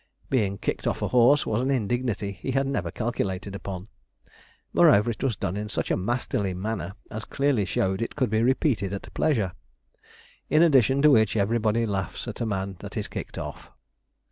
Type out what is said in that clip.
Being kicked off a horse was an indignity he had never calculated upon. Moreover, it was done in such a masterly manner as clearly showed it could be repeated at pleasure. In addition to which everybody laughs at a man that is kicked off.